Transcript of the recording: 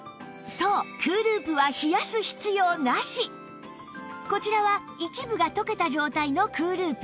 そうこちらは一部が溶けた状態の ＣＯＯＬＯＯＰ